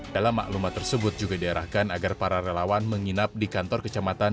dalam maklumat tersebut juga diarahkan agar para relawan menginap di kantor kecamatan